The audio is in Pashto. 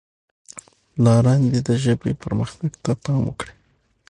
پلاران دې د ژبې پرمختګ ته پام وکړي.